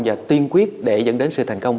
và tiên quyết để dẫn đến sự thành công